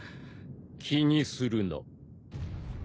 気にするな。